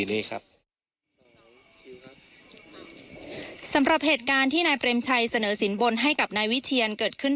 สำหรับเหตุการณ์ที่นายเปรมชัยเสนอสินบนให้กับนายวิเชียนเกิดขึ้น